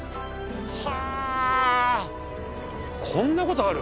はぁこんなことある？